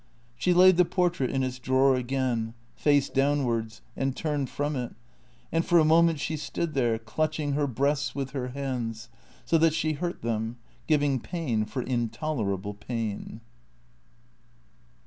She laid the portrait in its drawer again, face downwards, and turned from it. And for a moment she stood there, clutch ing her breasts with her hands, so that she hurt them, giving pain for intolerable pain.